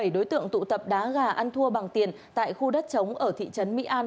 bảy đối tượng tụ tập đá gà ăn thua bằng tiền tại khu đất chống ở thị trấn mỹ an